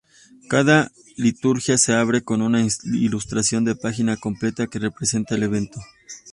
Cada liturgia se abre con una ilustración de página completa que representa el evento.